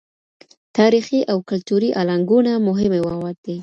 تاریخي او کلتوري الانګونه مهمې مواد دي.